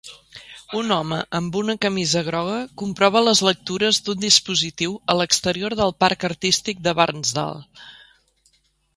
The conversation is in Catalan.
Un home amb una camisa groga comprova les lectures d'un dispositiu a l'exterior del parc artístic de Barnsdall.